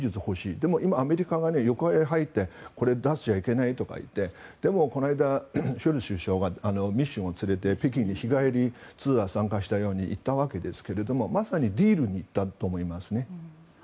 でも今、アメリカが横から入ってこれ出しちゃいけないとか言ってでもこの間、ショルツ首相が北京に日帰りツアーに参加したように行ったわけですがまさにディールに行ったと思いますね。